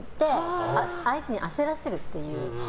相手に焦らせるっていう。